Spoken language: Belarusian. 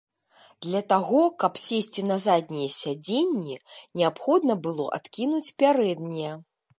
Для таго, каб сесці на заднія сядзенні, неабходна было адкінуць пярэднія.